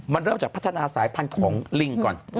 มันเริ่มจากพัฒนาสายพันธุ์ของลิงก่อน